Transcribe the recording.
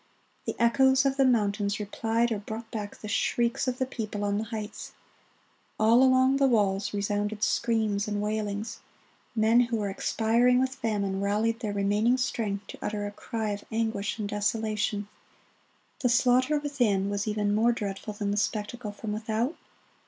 The echoes of the mountains replied or brought back the shrieks of the people on the heights; all along the walls resounded screams and wailings; men who were expiring with famine rallied their remaining strength to utter a cry of anguish and desolation. "The slaughter within was even more dreadful than the spectacle from without.